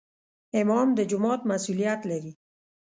امام د جومات مسؤولیت لري